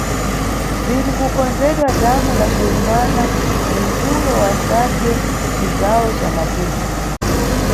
Liri kukonzedwa dhamu la Corumana, mu mkulo wa Sabie, mcigawo ca Maputo.